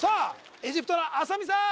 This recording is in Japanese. エジプトのあさみさん